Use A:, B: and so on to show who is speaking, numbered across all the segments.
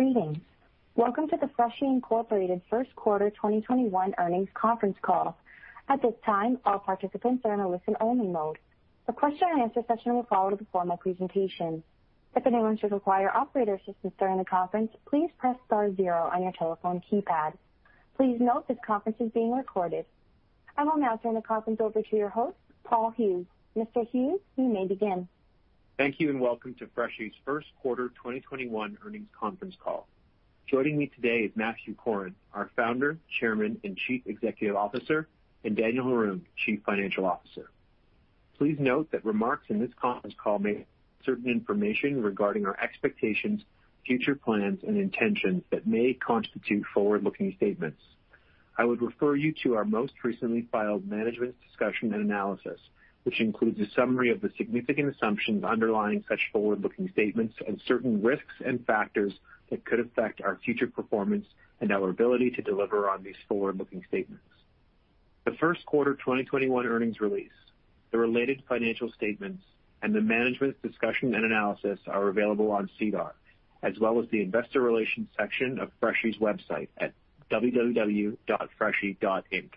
A: Greetings. Welcome to the Freshii Inc. First Quarter 2021 Earnings Conference Call. At this time, all participants are in a listen-only mode. A question and answer session will follow the formal presentation. If anyone should require operator assistance during the conference, please press star zero on your telephone keypad. Please note this conference is being recorded. I will now turn the conference over to your host, Paul Hughes. Mr. Hughes, you may begin.
B: Thank you, and welcome to Freshii's First Quarter 2021 Earnings Conference Call. Joining me today is Matthew Corrin, our Founder, Chairman, and Chief Executive Officer, and Daniel Haroun, Chief Financial Officer. Please note that remarks in this conference call may contain certain information regarding our expectations, future plans, and intentions that may constitute forward-looking statements. I would refer you to our most recently filed management discussion and analysis, which includes a summary of the significant assumptions underlying such forward-looking statements and certain risks and factors that could affect our future performance and our ability to deliver on these forward-looking statements. The first quarter 2021 earnings release, the related financial statements, and the management's discussion and analysis are available on SEDAR, as well as the investor relations section of Freshii's website at www.freshii.com.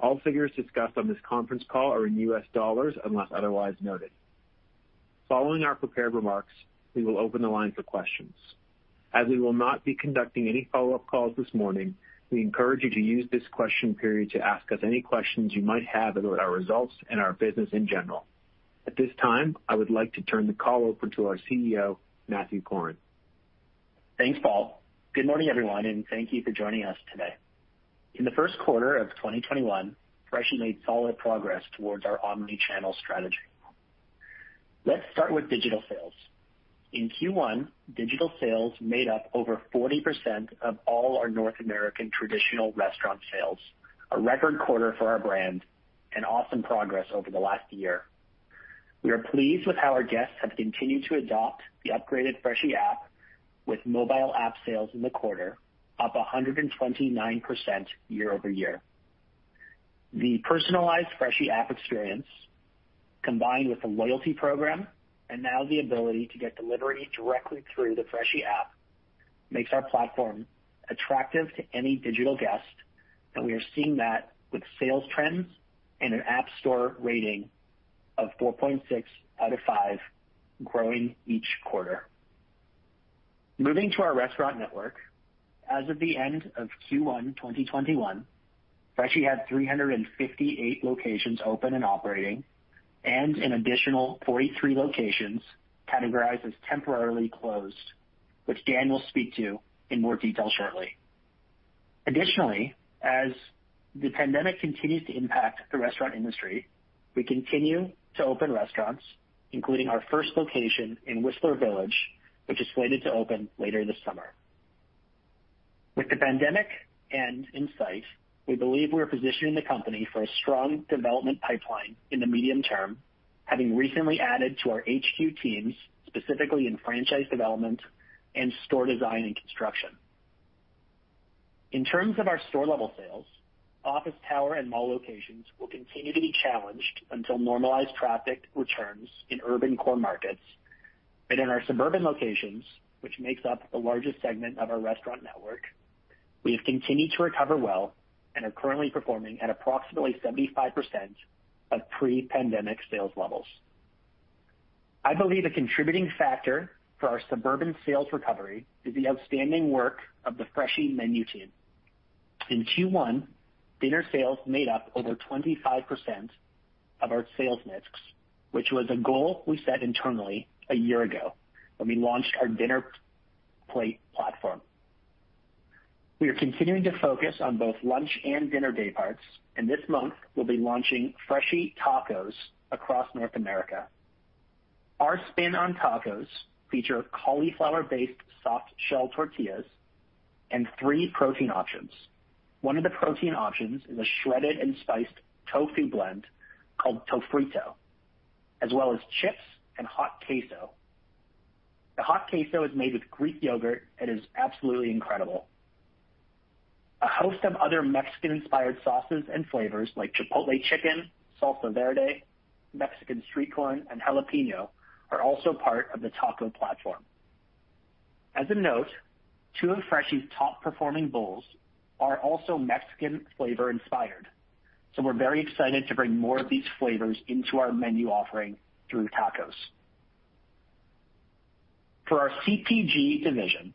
B: All figures discussed on this conference call are in U.S. dollars, unless otherwise noted. Following our prepared remarks, we will open the line for questions. As we will not be conducting any follow-up calls this morning, we encourage you to use this question period to ask us any questions you might have about our results and our business in general. At this time, I would like to turn the call over to our CEO, Matthew Corrin.
C: Thanks, Paul. Good morning, everyone, Thank you for joining us today. In the first quarter of 2021, Freshii made solid progress towards our omni-channel strategy. Let's start with digital sales. In Q1, digital sales made up over 40% of all our North American traditional restaurant sales, a record quarter for our brand and awesome progress over the last year. We are pleased with how our guests have continued to adopt the upgraded Freshii app, with mobile app sales in the quarter up 129% year-over-year. The personalized Freshii app experience, combined with the loyalty program and now the ability to get delivery directly through the Freshii app, makes our platform attractive to any digital guest, and we are seeing that with sales trends and an app store rating of 4.6 out of five growing each quarter. Moving to our restaurant network. As of the end of Q1 2021, Freshii had 358 locations open and operating and an additional 43 locations categorized as temporarily closed, which Daniel will speak to in more detail shortly. Additionally, as the pandemic continues to impact the restaurant industry, we continue to open restaurants, including our first location in Whistler Village, which is slated to open later this summer. With the pandemic end in sight, we believe we are positioning the company for a strong development pipeline in the medium term, having recently added to our HQ teams, specifically in franchise development and store design and construction. In terms of our store-level sales, office tower and mall locations will continue to be challenged until normalized traffic returns in urban core markets. In our suburban locations, which makes up the largest segment of our restaurant network, we have continued to recover well and are currently performing at approximately 75% of pre-pandemic sales levels. I believe a contributing factor for our suburban sales recovery is the outstanding work of the Freshii menu team. In Q1, dinner sales made up over 25% of our sales mix, which was a goal we set internally a year ago when we launched our dinner plate platform. We are continuing to focus on both lunch and dinner day parts, and this month, we'll be launching Freshii Tacos across North America. Our spin on tacos feature cauliflower-based soft shell tortillas and three protein options. One of the protein options is a shredded and spiced tofu blend called Tofriito, as well as chips and hot queso. The hot queso is made with Greek yogurt and is absolutely incredible. A host of other Mexican-inspired sauces and flavors, like chipotle chicken, salsa verde, Mexican street corn, and jalapeño, are also part of the taco platform. As a note, two of Freshii's top-performing bowls are also Mexican flavor inspired, so we're very excited to bring more of these flavors into our menu offering through tacos. For our CPG division,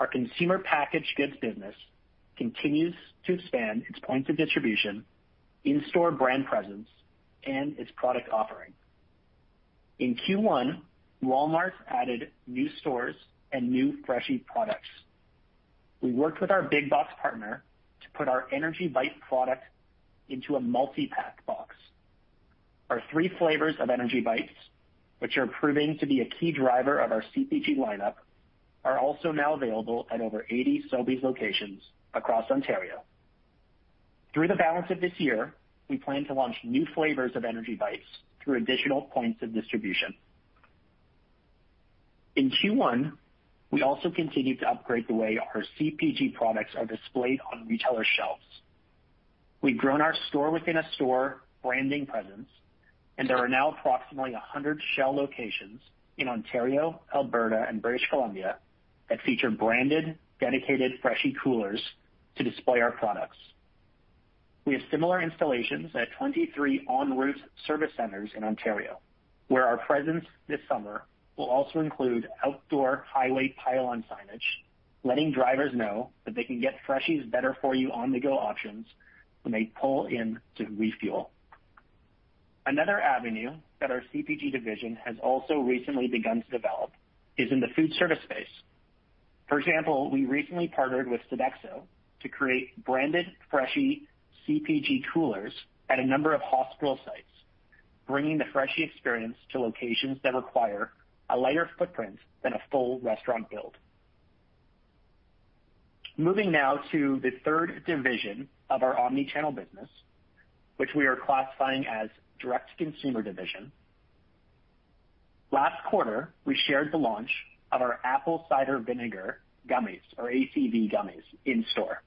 C: our consumer packaged goods business continues to expand its points of distribution, in-store brand presence, and its product offering. In Q1, Walmart added new stores and new Freshii products. We worked with our Big Box partner to put our Energii Bites product into a multi-pack box. Our three flavors of Energii Bites, which are proving to be a key driver of our CPG lineup, are also now available at over 80 Sobeys locations across Ontario. Through the balance of this year, we plan to launch new flavors of Energii Bites through additional points of distribution. In Q1, we also continued to upgrade the way our CPG products are displayed on retailer shelves. We've grown our store-within-a-store branding presence, and there are now approximately 100 Shell locations in Ontario, Alberta, and British Columbia that feature branded dedicated Freshii coolers to display our products. We have similar installations at 23 ONroute service centers in Ontario, where our presence this summer will also include outdoor highway pylon signage, letting drivers know that they can get Freshii's better-for-you on-the-go options when they pull in to refuel. Another avenue that our CPG division has also recently begun to develop is in the food service space. For example, we recently partnered with Sodexo to create branded Freshii CPG coolers at a number of hospital sites, bringing the Freshii experience to locations that require a lighter footprint than a full restaurant build. Moving now to the third division of our omni-channel business, which we are classifying as direct-to-consumer division. Last quarter, we shared the launch of our apple cider vinegar gummies, or ACV gummies, in store.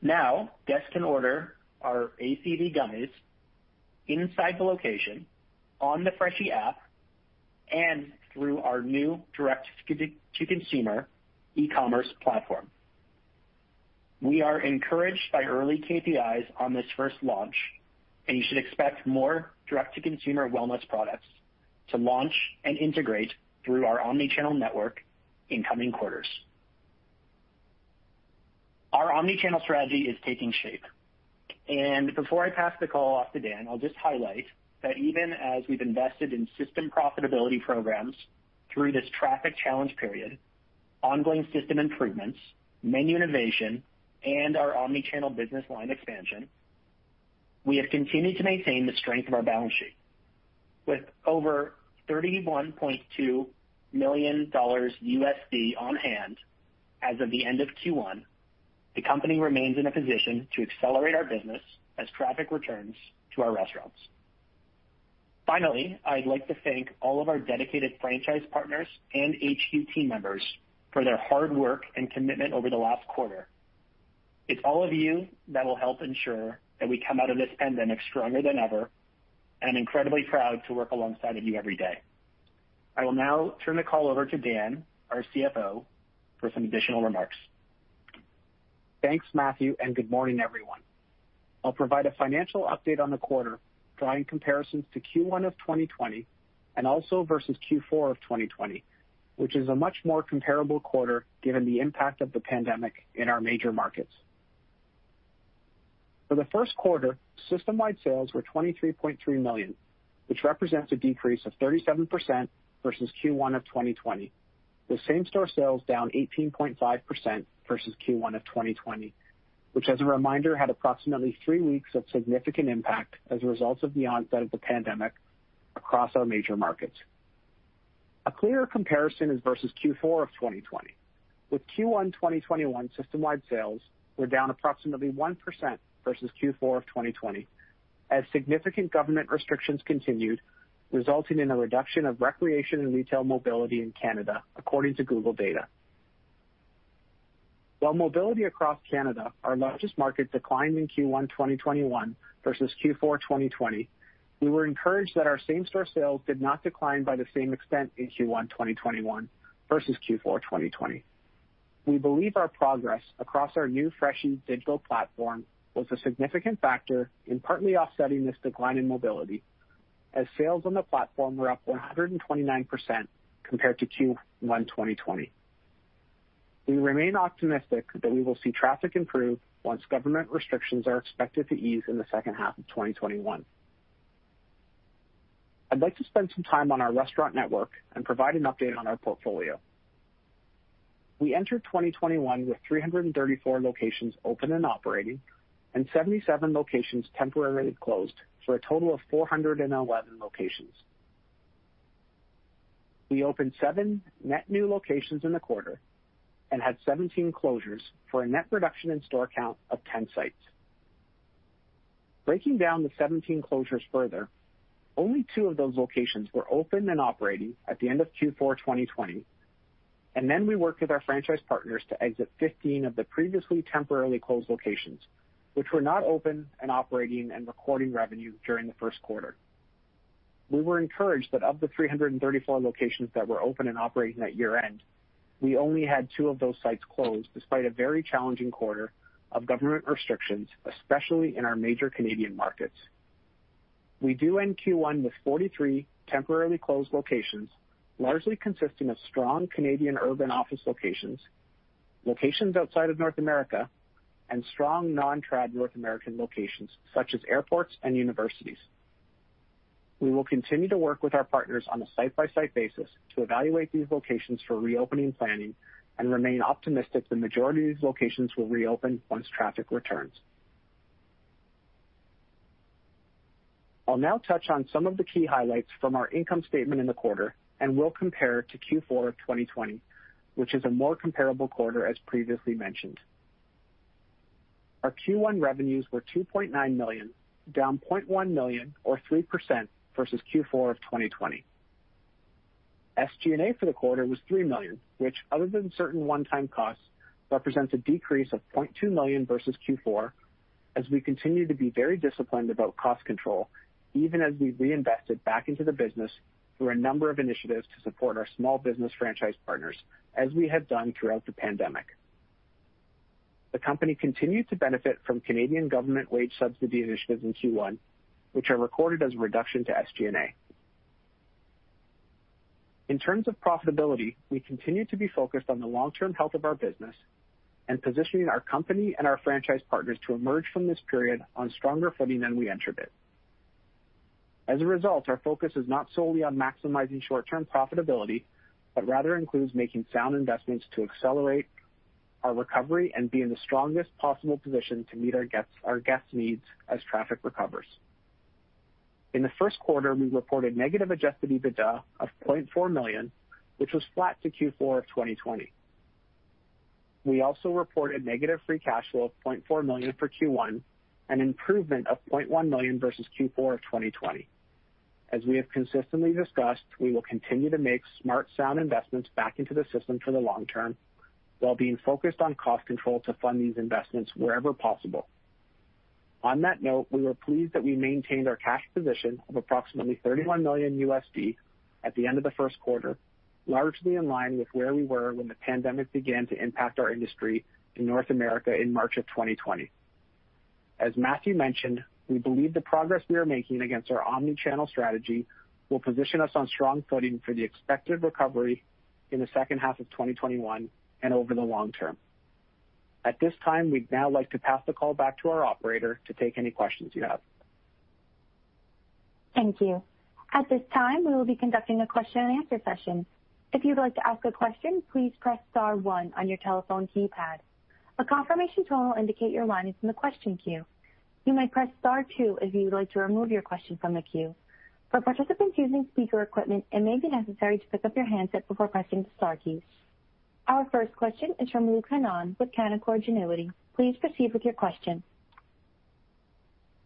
C: Now, guests can order our ACV gummies inside the location, on the Freshii app, and through our new direct-to-consumer e-commerce platform. We are encouraged by early KPIs on this first launch, and you should expect more direct-to-consumer wellness products to launch and integrate through our omni-channel network in coming quarters. Our omni-channel strategy is taking shape. Before I pass the call off to Dan, I'll just highlight that even as we've invested in system profitability programs through this traffic challenge period, ongoing system improvements, menu innovation, and our omni-channel business line expansion, we have continued to maintain the strength of our balance sheet. With over $31.2 million on hand as of the end of Q1, the company remains in a position to accelerate our business as traffic returns to our restaurants. Finally, I'd like to thank all of our dedicated franchise partners and HQ team members for their hard work and commitment over the last quarter. It's all of you that will help ensure that we come out of this pandemic stronger than ever. I'm incredibly proud to work alongside of you every day. I will now turn the call over to Dan, our CFO, for some additional remarks.
D: Thanks, Matthew. Good morning, everyone. I'll provide a financial update on the quarter, drawing comparisons to Q1 of 2020, and also versus Q4 of 2020, which is a much more comparable quarter given the impact of the pandemic in our major markets. For the first quarter, system-wide sales were $23.3 million, which represents a decrease of 37% versus Q1 of 2020, with same store sales down 18.5% versus Q1 of 2020, which, as a reminder, had approximately three weeks of significant impact as a result of the onset of the pandemic across our major markets. A clearer comparison is versus Q4 of 2020, with Q1 2021 system-wide sales were down approximately 1% versus Q4 of 2020 as significant government restrictions continued, resulting in a reduction of recreation and retail mobility in Canada, according to Google data. While mobility across Canada, our largest market, declined in Q1 2021 versus Q4 2020, we were encouraged that our same store sales did not decline by the same extent in Q1 2021 versus Q4 2020. We believe our progress across our new Freshii digital platform was a significant factor in partly offsetting this decline in mobility, as sales on the platform were up 129% compared to Q1 2020. We remain optimistic that we will see traffic improve once government restrictions are expected to ease in the second half of 2021. I'd like to spend some time on our restaurant network and provide an update on our portfolio. We entered 2021 with 334 locations open and operating and 77 locations temporarily closed, for a total of 411 locations. We opened seven net new locations in the quarter and had 17 closures for a net reduction in store count of 10 sites. Breaking down the 17 closures further, only two of those locations were open and operating at the end of Q4 2020, and then we worked with our franchise partners to exit 15 of the previously temporarily closed locations, which were not open and operating and recording revenue during the first quarter. We were encouraged that of the 334 locations that were open and operating at year-end, we only had two of those sites close, despite a very challenging quarter of government restrictions, especially in our major Canadian markets. We do end Q1 with 43 temporarily closed locations, largely consisting of strong Canadian urban office locations outside of North America, and strong non-traditional North American locations, such as airports and universities. We will continue to work with our partners on a site-by-site basis to evaluate these locations for reopening planning and remain optimistic the majority of these locations will reopen once traffic returns. I'll now touch on some of the key highlights from our income statement in the quarter, and we'll compare to Q4 of 2020, which is a more comparable quarter, as previously mentioned. Our Q1 revenues were $2.9 million, down $0.1 million, or 3%, versus Q4 of 2020. SG&A for the quarter was $3 million, which other than certain one-time costs, represents a decrease of $0.2 million versus Q4, as we continue to be very disciplined about cost control, even as we reinvested back into the business through a number of initiatives to support our small business franchise partners, as we have done throughout the pandemic. The company continued to benefit from Canadian government wage subsidy initiatives in Q1, which are recorded as a reduction to SG&A. In terms of profitability, we continue to be focused on the long-term health of our business and positioning our company and our franchise partners to emerge from this period on stronger footing than we entered it. As a result, our focus is not solely on maximizing short-term profitability, but rather includes making sound investments to accelerate our recovery and be in the strongest possible position to meet our guests' needs as traffic recovers. In the first quarter, we reported negative adjusted EBITDA of $0.4 million, which was flat to Q4 of 2020. We also reported negative free cash flow of $0.4 million for Q1, an improvement of $0.1 million versus Q4 of 2020. As we have consistently discussed, we will continue to make smart, sound investments back into the system for the long term while being focused on cost control to fund these investments wherever possible. On that note, we were pleased that we maintained our cash position of approximately $31 million at the end of the first quarter, largely in line with where we were when the pandemic began to impact our industry in North America in March of 2020. As Matthew mentioned, we believe the progress we are making against our omni-channel strategy will position us on strong footing for the expected recovery in the second half of 2021 and over the long term. At this time, we'd now like to pass the call back to our operator to take any questions you have.
A: Thank you. At this time, we will be conducting a question-and-answer session. If you'd like to ask a question, please press star one on your telephone keypad. A confirmation tone will indicate your line is in the question queue. You may press star two if you would like to remove your question from the queue. For participants using speaker equipment, it may be necessary to pick up your handset before pressing the star keys. Our first question is from Luke Hannan with Canaccord Genuity. Please proceed with your question.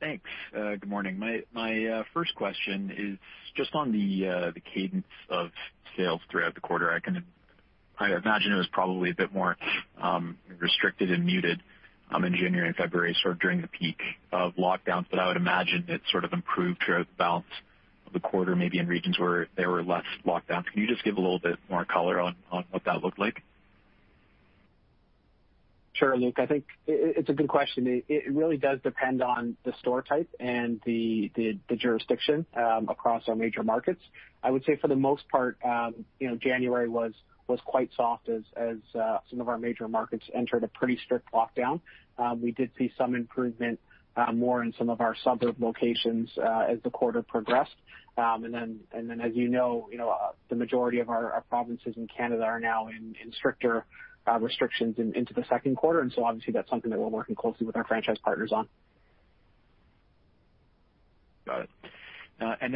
E: Thanks. Good morning. My first question is just on the cadence of sales throughout the quarter. I imagine it was probably a bit more restricted and muted in January and February, during the peak of lockdowns. I would imagine it improved throughout the balance of the quarter, maybe in regions where there were less lockdowns. Can you just give a little bit more color on what that looked like?
D: Sure, Luke. I think it's a good question. It really does depend on the store type and the jurisdiction across our major markets. I would say for the most part, January was quite soft as some of our major markets entered a pretty strict lockdown. We did see some improvement more in some of our suburb locations as the quarter progressed. As you know, the majority of our provinces in Canada are now in stricter restrictions into the second quarter, and so obviously that's something that we're working closely with our franchise partners on.
E: Got it.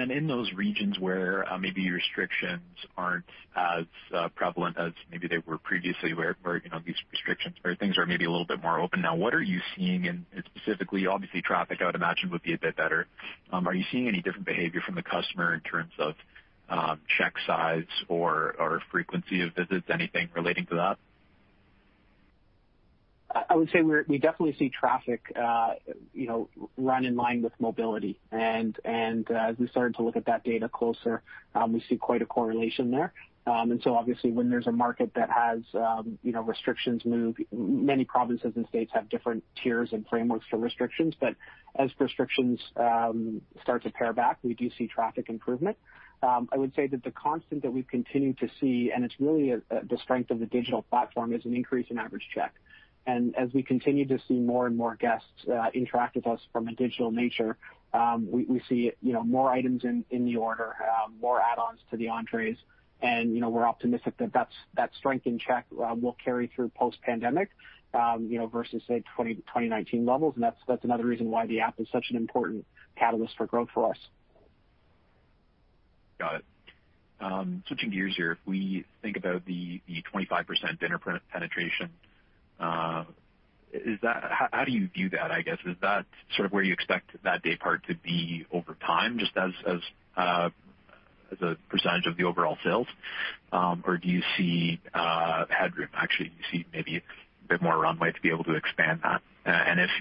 E: In those regions where maybe restrictions aren't as prevalent as maybe they were previously, where these restrictions or things are maybe a little bit more open now, what are you seeing, and specifically, obviously traffic I would imagine would be a bit better. Are you seeing any different behavior from the customer in terms of check size or frequency of visits? Anything relating to that?
D: I would say we definitely see traffic run in line with mobility, and as we started to look at that data closer, we see quite a correlation there. Obviously when there's a market that has restrictions move, many provinces and states have different tiers and frameworks for restrictions, but as restrictions start to pare back, we do see traffic improvement. I would say that the constant that we continue to see, and it's really the strength of the digital platform, is an increase in average check. As we continue to see more and more guests interact with us from a digital nature, we see more items in the order, more add-ons to the entrees, and we're optimistic that strength in check will carry through post-pandemic versus, say, 2019 levels, and that's another reason why the app is such an important catalyst for growth for us.
E: Got it. Switching gears here, if we think about the 25% dinner penetration, how do you view that, I guess? Is that where you expect that day part to be over time, just as a percentage of the overall sales? Or do you see headroom, actually? Do you see maybe a bit more runway to be able to expand that?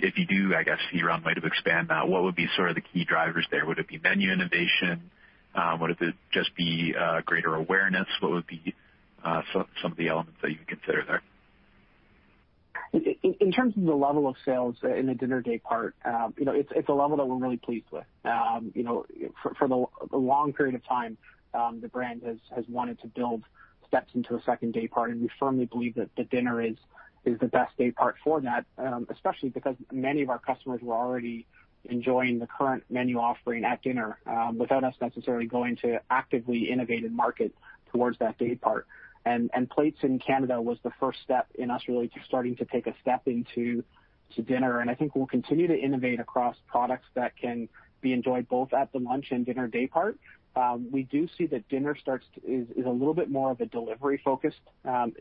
E: If you do, I guess, see runway to expand that, what would be the key drivers there? Would it be menu innovation? Would it just be greater awareness? What would be some of the elements that you would consider there?
D: In terms of the level of sales in the dinner day part, it's a level that we're really pleased with. For the long period of time, the brand has wanted to build steps into a second day part. We firmly believe that dinner is the best day part for that, especially because many of our customers were already enjoying the current menu offering at dinner, without us necessarily going to actively innovate and market towards that day part. Plates in Canada was the first step in us really starting to take a step into dinner, and I think we'll continue to innovate across products that can be enjoyed both at the lunch and dinner day part. We do see that dinner is a little bit more of a delivery-focused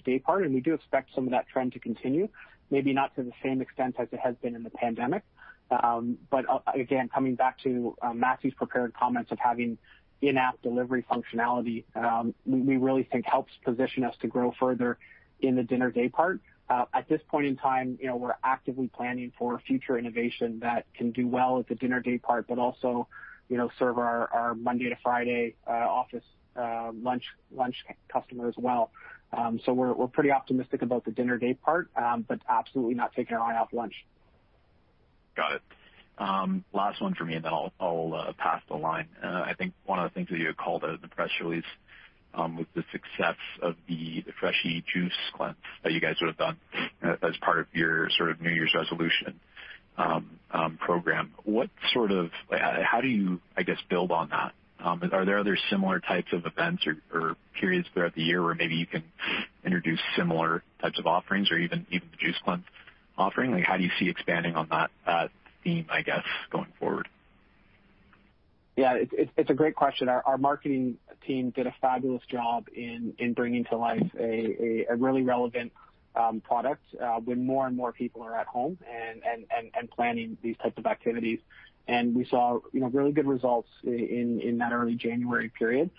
D: day part, and we do expect some of that trend to continue, maybe not to the same extent as it has been in the pandemic. Again, coming back to Matthew's prepared comments of having in-app delivery functionality, we really think helps position us to grow further in the dinner day part. At this point in time, we're actively planning for future innovation that can do well at the dinner day part, but also serve our Monday to Friday office lunch customer as well. We're pretty optimistic about the dinner day part, but absolutely not taking our eye off lunch.
E: Got it. Last one from me, then I'll pass the line. I think one of the things that you had called out in the press release was the success of the Freshii Juice Cleanse that you guys would have done as part of your New Year's resolution program. How do you build on that? Are there other similar types of events or periods throughout the year where maybe you can introduce similar types of offerings or even the juice cleanse offering? How do you see expanding on that theme, I guess, going forward?
D: Yeah, it's a great question. Our marketing team did a fabulous job in bringing to life a really relevant product when more and more people are at home and planning these types of activities. We saw really good results in that early January period.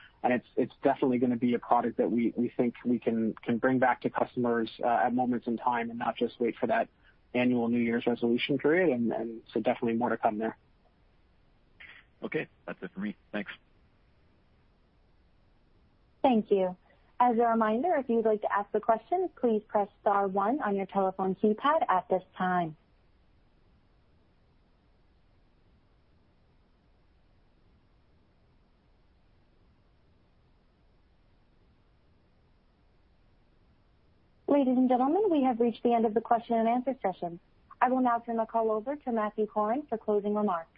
D: It's definitely going to be a product that we think we can bring back to customers at moments in time and not just wait for that annual New Year's resolution period. Definitely more to come there.
E: Okay, that's it for me. Thanks.
A: Thank you. As a reminder, if you would like to ask a question, please press star one on your telephone keypad at this time. Ladies and gentlemen, we have reached the end of the question-and-answer session. I will now turn the call over to Matthew Corrin for closing remarks.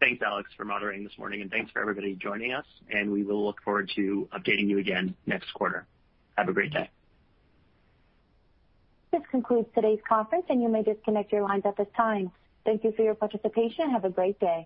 C: Thanks, Alex, for moderating this morning, and thanks for everybody joining us, and we will look forward to updating you again next quarter. Have a great day.
A: This concludes today's conference, and you may disconnect your lines at this time. Thank you for your participation and have a great day.